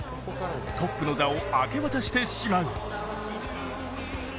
トップの座を明け渡してしまう。